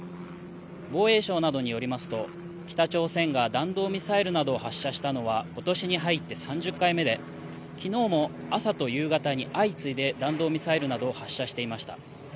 防衛省などによりますと、北朝鮮が弾道ミサイルなどを発射したのは、ことしに入って３０回目で、きのうも朝と夕方に相次いで弾道ミサイルなどを発射していました。